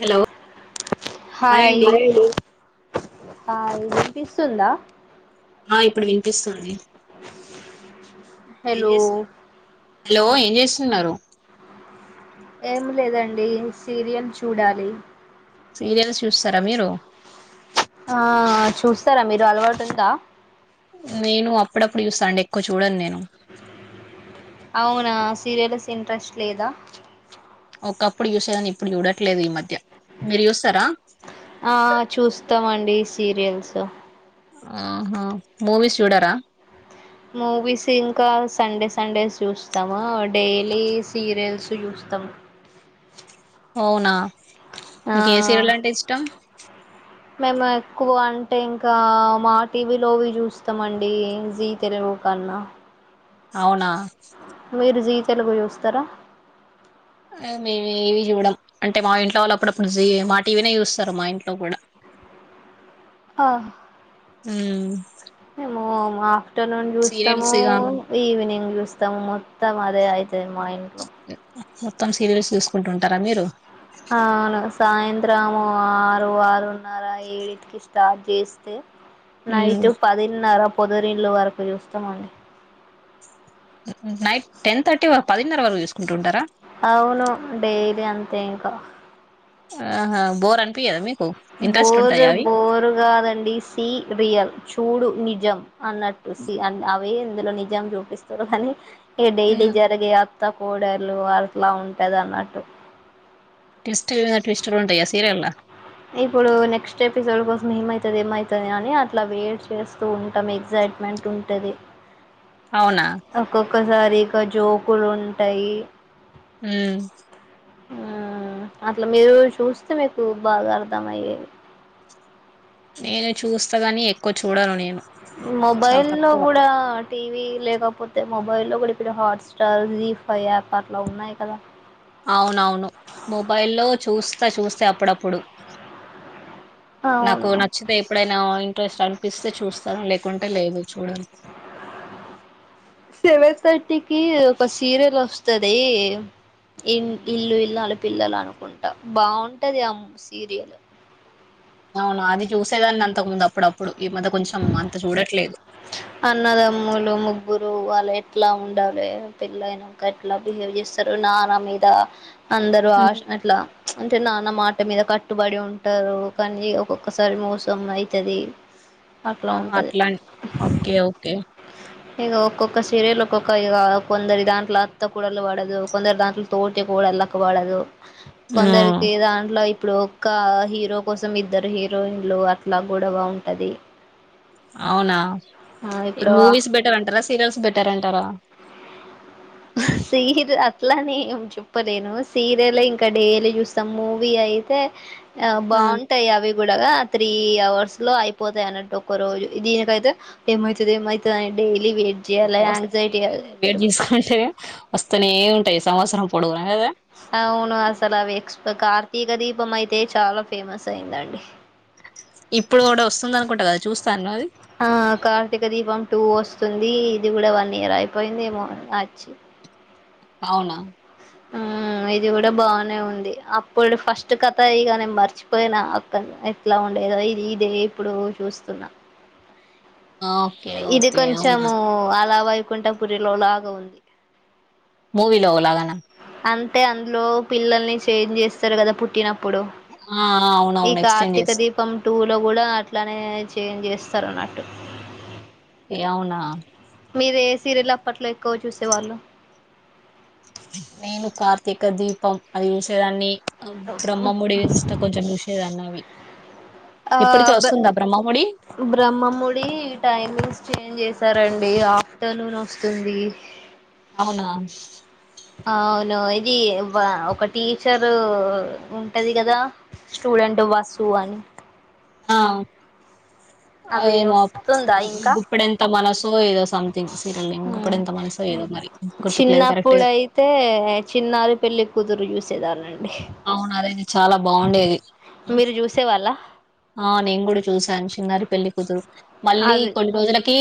Hello hi hi ఇనిపిస్తుందా ఆ ఇప్పుడు వినిపిస్తుంది ఏం హలో చేస్తున్నారు హలో ఏం చేస్తున్నారు ఏమి లేదండి సీరియల్ చూడాలి సీరియల్స్ చూస్తారా మీరు ఆ చూస్తారా మీరు అలవాటు ఉందా నేను అప్పుడప్పుడు చూస్తా అండి ఎక్కువ చూడను నేను అవునా సీరియల్స్ ఇంట్రెస్ట్ లేదా ఒకప్పుడు చూసేదాన్ని ఇప్పుడు చూడట్లేదు ఈ మధ్య మీరు చూస్తారా ఆ చూస్తామండి సీరియల్స్ ఆహా మూవీస్ చూడరా మూవీస్ ఇంకా సండే సండేస్ చూస్తామా డైలీ సీరియల్స్ చూస్తా తం అవునా ఆ మీకు ఏ సీరియల్ అంటే ఇష్టం మేము ఎక్కువ అంటే ఇంకా మా టీవీలోవి చూస్తామండి జీ తెలుగు [unintelligible] అవునా మీరు జీ తెలుగు చూస్తారా మేము ఏవి చూడం అంటే మా ఇంట్లో వాళ్ళప్పుడప్పుడు మా టీవీనే చూస్తారు మా ఇంట్లో కూడా ఆ ఉ మోమా ఆఫ్టర్నూన్ సీరియల్స్ చూస్తాము ఇగ ఈవినింగ్ చూస్తాము మొత్తం అదే అయి దె మా ఇంట్లో మొత్తం సీరియల్స్ చూసుకుంటుంటర మీరు? ఆ అవును సాయంత్రము ఆరు ఆరున్నర ఏడిటికి స్టార్ట్ జేస్తే ఉమ్ నైట్ పదిన్నర పొదురిళ్లు వరకు చూస్తమండి. నైట్ టెన్ థర్టీ వరక్ పదిన్నర వరకు చూసుకుంటుంటరా? అవును డైలీ అంతే ఇంక ఆహా బోర్ అనిపియద మీక్ బోదు బోరు కాదండి, సి రియల్ చూడు నిజం. అన్నట్టు సి అన్ అవే ఇందులో నిజం చూపిస్తరు కనీ, ఇగ డైలీ జరిగే అత్త కోడళ్ళు అట్ల ఉంటదన్నట్టు. కిస్ ఇప్పుడు నెక్స్ట్ ఎపిసోడ్ కోస్ మేమవుతది ఏమయితది అని అట్లా వేట్ చేస్తూ ఉంటాం, ఎగ్జైట్మెంట్ ఉంటది. అవునా? సరిగ జోకులు ఉంటయ్ ఉమ్ అట్ల మీరు చూస్తే మీకు బాగా అర్థం అయ్యేది నేను చూస్తగని ఎక్కువ చూడను నేను. చాలా మొబైల్ ను తక్కువ గుడ టి వి లేకపోతే మొబైల్లో లో కూడా ఇడ Hotstar, Zee five app అట్లా ఉన్నయి కదా. అవునవును మొబైల్లో చూస్తా చూస్తే అప్పుడప్పుడు. నాకు అవును నచ్చితే ఎప్పుడైనా ఆ ఇంట్రెస్ట్ అని పిస్తే చూస్తను లేకుంటే లేదు చూడను క్కటికి ఒక సీరియల్ వస్తది, ఇన్ హ్మ్. ఇల్లు ఇల్లాలు పిల్లలు అనుకుంటా బాగుంటుంది ఆ సీరియల్. అవును అది చూసేదాన్ని అంతకు ముందు అప్పుడప్పుడు, ఈ మధ్య కొంచెం అంత చూడట్లేదు అన్నదమ్ములు ముగ్గురు వాళ్ళు ఎట్ల ఉండాలే, పెళ్లయినంక ఎట్లా బిహేవ్ చేస్తరు? నాన్న మీద అందరు ఆష్ అట్ల ప్చ్ అంటే నాన్న మాట్ మాట్ మీద కట్టుబడి ఉంటరు కానీ, ఒక్కొక్కసారి మోసం ఐతది. అట్లా ఆ ఉంటది. అట్లా ఓకే ఓకే. ఇగ ఒక్కొక్క సిరియల్ ఒక్కొక్క ఇగ కొందరి దాంట్ల అత్త కోడళ్ళు వడదు, కొందరి దాంట్ల తోడి కోడళ్ళకు వడదు, హ్మ్. కొందరికి ఏ దాంట్లో ఇప్ ఇప్పుడు ఒక్క హీరో కోసం ఇద్దరు హీరోయిన్లు అట్ల గొడవ ఉంటది. అవునా ఆ ఇప్పుడు మూవీస్ బెటర్ అంటరా, సీరియల్స్ బెటర్ అంటరా? ఆ సీర్ అట్లనీ ఏం చెప్పలేను, సీరియలే ఇంకా డైలీ చూస్తాం మూవీ అయితే ఆ బాగుంటయి అవి కూడా ఆ త్రీ అవర్స్ లో అయిపోతయి అన్నట్టు ఒక్క రోజు, దీనికైతే ఏమైతది ఏమైతది అని డైలీ వె వస్తనే వెయిట్ చేసుకుంటనే వస్తనే ఉంటయి సంవత్సరం పొడుగున కదా. అవును అసలు అవి ఎక్స్ కార్తీక దీపం అయితే చాలా ఫేమస్ అయిందండి. ఇప్పుడు కూడా వస్తుంద అనుకుంటా కదా చూస్తాండ్రా అది? ఆ కార్తీక దీపం టూ వస్తుంది ఇది గుడ వన్ ఇయర్ అయిపోయిందేమో వచ్చి అవునా ఆ ఆ ఇది గుడ బాగనే ఉంది అప్పుడు ఫస్ట్ కథ ఇగ నేను మర్చిపోయిన అక్కన్ ఎట్లా ఉండే లేదో ఇది ఇదే ఇప్పుడు చూస్తున్న. ఓకే ఇది ఓకే అవునా కొంచము అలా వైకుంఠపురిలో లాగా ఉంది. మూవీలోవు లాగన అంటే అందులో పిల్లల్ని చేంజ్ చేస్తారు కదా పుట్టినప్పుడు ఆ ప్పుడు ఈ అవునవును ఎక్స్చేంజ్ కార్తీక చేస్త దీపం టూ లో కూడా అట్లానే చేంజ్ చేస్తారు అన్నట్టు ఏ అవునా మీరు ఏ సీరియల్ అప్పట్లో ఎక్కువ చూసేవాళ్ళు నేను కార్తీక దీపం అది చూసేదాన్ని బ్రహ్మాముడి ఇష్ట కొంచెం చూసేదాన్ని ఆవి ఆ బ బ్రహ్మముడి బ్రహ్మముడి టైమింగ్స్ చేంజ్ చేసారండి ఆఫ్టర్నూన్ వస్తుంది అవునా అవును ఇది ఒక టీచరు ఉంటది కదా స్టూడెంట్ వసు అని ఆ అ అదేమో గుప్పడెంత మనసు ఏదో సంథింగ్ సీరియల్ ని గుప్పడెంత మనసు ఏదో మరీ చిన్నప్పుడు అయితే చిన్నారీ పెళ్ళి కుతురు చూసేదాన్నీ అండి అవునా అదేంది చాలా బాగుండేది మీరు చూసేవాళ్ళ ఆ నేను కూడా చూసాను చిన్నారి పెళ్లికుతురు మళ్ళీ అది కొన్ని రోజులకి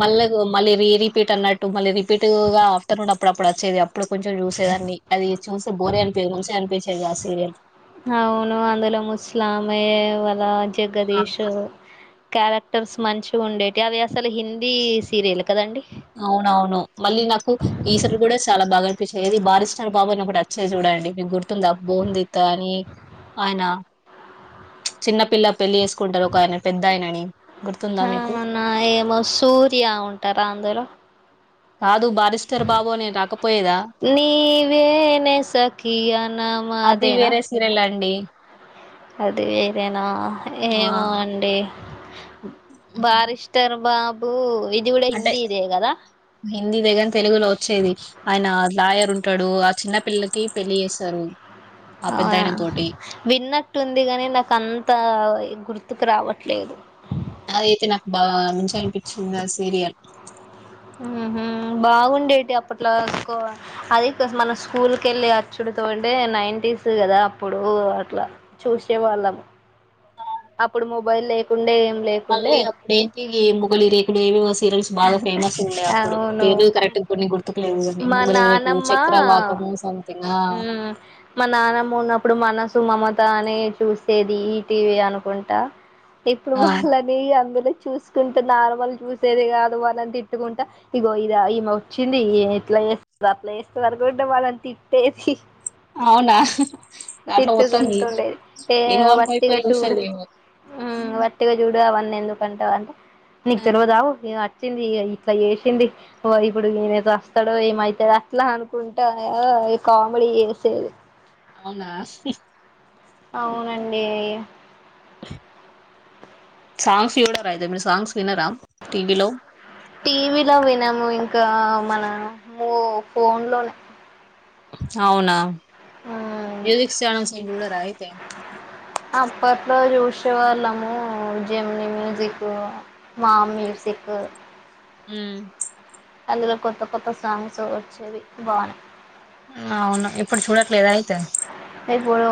మళ్ళీ మళ్ళీ రీ రిపీట్ అన్నట్టు మళ్ళీ రిపీట్ గా ఆఫ్టర్నూన్ అప్పుడు అప్పుడు వచ్చేది అప్పుడు కొంచెం చూసేదాన్ని అది చూస్తే బోరే అనిపియదు [unintelligible] కాదు ఆ సీరియల్ అవును అందులో ముసలామె వాళ్ళ ఆ! జగదీష్ క్యారెక్టర్స్ మంచిగా ఉండేటివి అవి అసలు హిందీ సీరియల్ కదండి అవునవును మళ్ళీ నాకు ఈసర్ కూడా చాలా బాగా ఏది బారీష్టర్ బాబు అని ఒకటి వచ్చేది చూడండి మీకు గుర్తుందా [unintelligible] అని ఆయనా చిన్నపిల్ల పెళ్లిచేసు కుంటాది ఒక ఆయన పెద్ద ఆయననీ గుర్తుందా మీకు మన ఏమో సూర్య ఉంటారా అందులో కాదు బారిస్టర్ బాబు అనేది రాకపోయేదా నీవేనే సఖియ నమ అది ఆదేనా వేరే సీరియల్ అండి అది వేరేనో ఆ ఏమో అండి బారిష్టార్ బాబు ఇది కూడా అంటే హిందీదే కదా హిందీ దే కానీ తెలుగులో వచ్చేది ఆయన లాయర్ ఉంటాడు చిన్న పిల్లకే పెళ్ళి చేస్తారు ఆ అ పెద్దాయన తోటి విన్నట్టుంది గాని నాక అంత గుర్తు తుకు రావట్లేదు అదైతే నాకు బాగా మంచిగా అనిపించింది ఆ సీరియల్ ఉహు బాగుండేటివి అప్పట్లో అది మన స్కూల్ కేళ్ళి అచ్చుడు వుంటే నైనిటిస్ కదా అప్పుడు అట్లా చూసే వాళ్ళము అప్పుడు మొబైల్ లేకుండే లేకుండే మళ్ళీ అప్పుడు ఎంటీవీ మోగలి రేకులు ఇవి వస్తూ సీరియల్స్ బాగా ఫేమస్ ఉండే అప్పుడు అవును పేరు కరెక్ట్ కొన్ని గుర్తుకు లేదు కానీ మొగలి రేకులు చక్రవాకం ఉ మా నాన్నమ్మ ఉన్నప్పుడు మానస్ సు మమత అనే చూసేది ఈ టీవీ అనుకుంటా ఇప్పుడు ఆ వాళ్ళని అందులో చూసుకుంటే నార్మల్ చూసేది కాదు వాళ్ళని తిట్టుకుంటా ఇగో ఇద ఈమే వచ్చింది ఎట్లా చేేస్తు అట్లా చేస్తుది అనుకుంట వాళ్ళనీ తిట్టేది అవునా దాంట్లో మోత్తాం తిట్టుకుంటుండేది ఇన్వాల్వ్ అయిపోయి చూసేది ఏమో హు వట్టిగా చూడు అవన్నీ ఎందుకు అంటా అంటే నీకు తెల్వదు అగు ఈమె వచ్చింది ఇట్లా చేసింది ఇప్పుడు ఈయనే చస్తాడో ఏమైతాడో అట్లా అనుకుంటా ఆ కామెడి చేసేది అవునా అవునండి. సాంగ్స్ చూడరా అయితే మీరు సాంగ్స్ వినరా టీవీ లో. టీవీలో వినము ఇంకా మన మూ ఫోన్ లోనే. అవునా. మ్ మ్యూజిక్ చానల్స్ చూడరా అయితే. చూసేవాళ్లము జెమిని మ్యూసిక్, మా మ్యూసిక్. అ అందులో కొత్త కొత్త సాంగ్స్ వచ్చేవి బానే. అవునా ఇప్పుడు చూడట్లేదా అయితే. ఇప్పుడు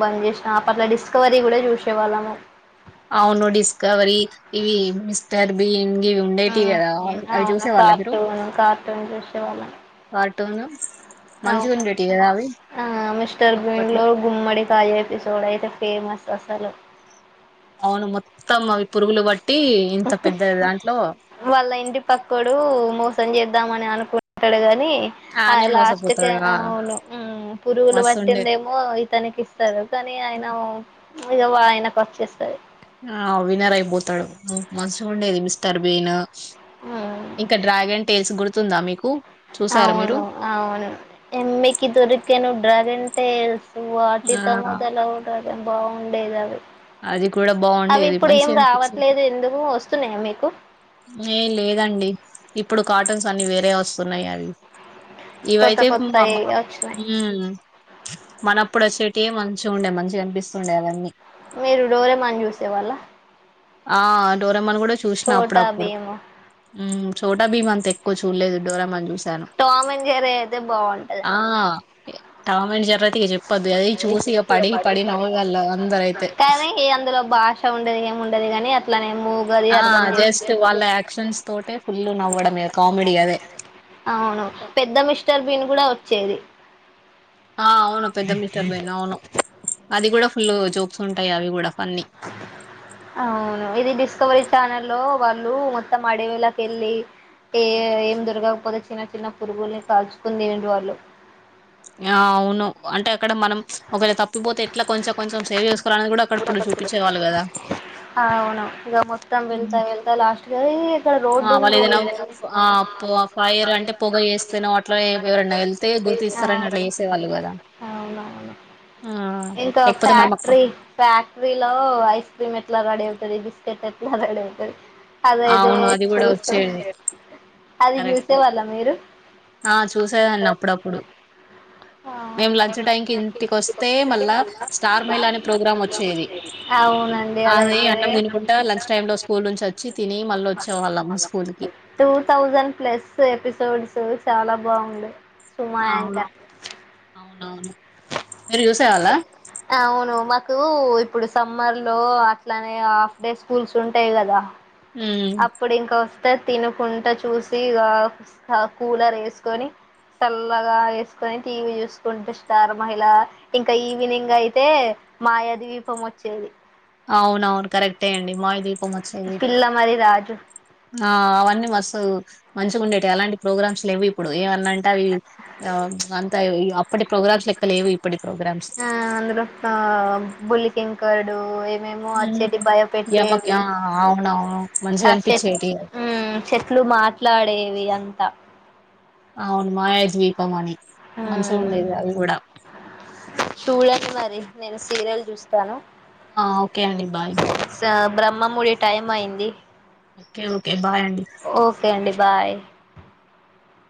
బంద్ చేశినా. అప్పట్లో డిస్కవరీ కూడా చూశే వాళ్ళము. అవును డిస్కవరి, ఇవి మిస్టర్ బీన్ ఇవి ఉండేటివి మ్ కదా అవి అవును చూసే వాళ్ళ మీరు. కార్టూన్ కార్టూన్ చూసేవాళ్ళం కా ర్టును మంచిగా అవునండి ఉండేటివి కదా అ ఆ మిస్టర్ బిన్లో గుమ్మడి కాయ ఎపిసోడైతే ఫేమస్. అసలు అవును మొత్తం అవి పురుగులు బ వాళ్ళ ఇంటి పక్కోడు మో సం జేద్దామని అనుకుంటడు కా అని ఆ ఆనే లాస్ట్ కు మోసపోతాడు ఆ అవును ఆ పురుగులు మస్తు ఉండే పట్టిందేమో ఇతనికి ఇస్తరు. కానీ ఆయన ఇగ ఆయనకు వచ్చేస్తది. ఆ విన్నర్ అయిపోతడు మంచిగా ఉండేది మిస్టర్ బీన్. ఇంకా డ్రాగన్ టేల్స్ గురుతుందా మీకు? చూసారా మీరు అవును అవును ఎమ్మికి దొరికేను డ్రాగన్ టేల్స్. ఆ వాటితో మోదలవు డ్రాగన్ బాగుండేది అది. అది కూడా అవి బాగుండేది ఇప్పుడు ఏం మంచిగా అనిపించేది రావట్లేదు ఎందుకు వస్తున్నయా మీకు. అన్నీ వేరే వస్తున్నయి అవి కొత్త ఇవయితే మా కొత్తయి వచ్చినాయి మనప్పుడు వచ్చేటివి మంచిగా ఉండే మంచిగా కనిపిస్తుండే అవన్నీ. మీరు డోరెమాన్ చూసే వాళ్ళ? ఆ డోరెమాన్ కూడా చూశిన అప్పుడప్పు బీము హ్మ్ చోటాభీం అంత ఎక్కువ చూడలేదు డోరెమాన్ చూసి టామ్ అండ్ జెర్రీ అయితే ఆ బావుంటదండి. టామ్ అండ్ జెర్రీ అయితే ఇగ చెప్పొద్దు అది చూసి ఇగ పడి పడి నవ్వేవాళ్ళు అందరైతే కానీ అందులో భాష ఉండది ఎం ఉండది కాని అట్లనే మూ ఆ జస్ట్ వాళ్ళ యాక్షన్స్ తోటే ఫుల్ నవ్వడమే కామెడీ అదే. అవును పెద్ద మిస్టర్ బిన్ కూడా వచ్చేది. ఆ అవును పెద్ద మిస్టర్ బీన్ అవును అది కూడా ఫుల్ జోక్స్ ఉంటయి అవి కూడా. ఫన్నీ అవును ఇది డిస్కవరీ ఛానల్ లో వా ళ్ళు మొత్తం అడవిలో కెళ్లి ఏ ఏం దొరకకపోతే చిన్న చిన్న పురుగుల్ని కాల్చుకుని తినిర్రు వాళ్ళు. ఆ అవును అంటే అక్కడ మనం ఒకవేళ తప్పిపోతే ఎట్లా కొంచెం కొంచెం సేవ్ చేసు అవును ఇగ మొత్తం వెళ్తా ఉమ్. వెళ్తా లాస్ట్ కది ఆ వాళ్ళు ఏదైనా ఆ పొ ఫైర్ అంటే పొగ చేస్తనో అట్లా ఎవరనా ఎళ్తే గుర్తిస్తరని అట్లా చేసేవాళ్ళు కదా. అవునవును ఆ ఇంకా లేకపోతే మనం అక్కడ- ఫ్యాక్టరీ ఫ్యా క్టరీలో ఐస్ క్రీమ్ ఎట్లా రెడీ అవుతది, బిస్కెట్ ఎట్లా రెడీ అవుతది. ఆ, అదదే అవును అది కూడా చూస్తు వచ్చేది అది కరెక్ట్ చూసే వాళ్ళ మీరు? ఆ చూసేదాన్ని అప్పుడప్పుడు మేము లంచ్ టైమ్కి ఇంటికి వస్తే మళ్ళా స్టార్ మహిళ అనే ప్రోగ్రాం వచ్చేది అవునండి అది అదైతే అన్నం తినుకుంట లంచ్ టైమ్ లో స్కూల్ నుంచి వచ్చి తిని మళ్ళ వచ్చె వాళ్ళము స్కూల్కి టూ థౌసండ్ ప్లస్ ఎపిసోడ్స్ చాలా బాగుంది సుమయంకర్ అవును మీరు చూసేవాళ్ల కు ఇప్పుడు సమ్మర్ లో అట్లానే హాఫ్ డే స్కూల్స్ ఉంటాయి కదా ఉమ్, అప్పుడు ఇంక వస్తే తినకుంట చూసి ఇగ కూలర్ యేసుకొని చల్లగా యేసుకొని టీవీ చూసుకుంట స్టార్ మహిళ ఇంకా ఈవినింగ్ అయితే మాయా దివీపంవొచేది అవునవును కరెక్టే అండి మాయ దీపం పిల్ల మరి రాజు అ అవన్నీ మస్తు మంచిగా ఉండేటీవీ అలాంటి ప్రోగ్రామ్స్ లేవి ఇప్పుడు ఏమన్నా అంటే అవి అంత అప్పటి ప్రోగ్రామ్స్ లెక్కలేవు ఇప్పుటి అ అందులో బుల్లి కింకరుడు మేము ఉమ్, వచ్చేటి యమక్ భయపట్టేవి ఆ అవునవును మంచిగా ఆ చేట్ అనిపించేటి హ్మ్ చెట్లు మాట్లాడేవి అంత అవును మాయ ద్వీపమణి హ్మ్ సుడండి మరి నేను సీరియల్ చూస్తాను అ ఓకే అండి బాయ్ బామ్మాముడి టైమ్ అయింది ఓకే ఓకే బాయ్ అండి ఓకే అండి బాయ్